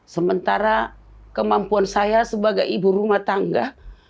sementara kemampuan saya sebagai ibu rumah tangga